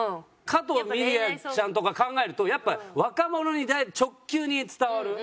加藤ミリヤちゃんとか考えるとやっぱ若者に直球に伝わる。